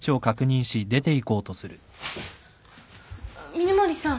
峰森さん？